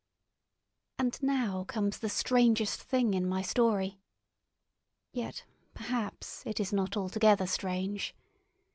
And now comes the strangest thing in my story. Yet, perhaps, it is not altogether strange.